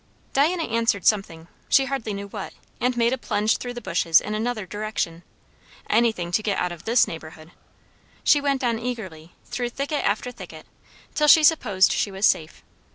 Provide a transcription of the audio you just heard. Diana answered something, she hardly knew what, and made a plunge through the bushes in another direction. Anything to get out of this neighbourhood. She went on eagerly, through thicket after thicket, till she supposed she was safe.